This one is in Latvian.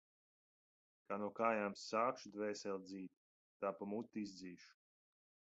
Kā no kājām sākšu dvēseli dzīt, tā pa muti izdzīšu.